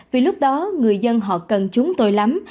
vì lúc đó người dân họ cần chúng tôi lắm